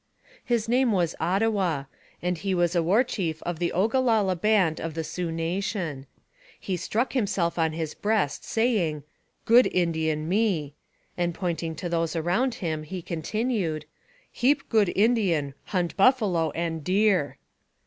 His name was Ottawa, and he was a war chief of the Ogalalla band of the Sioux nation. He struck himself on his breast, saying, "Good Indian, me," and pointing to those around him, he continued, "Heap good Indian, hunt buffalo and deer."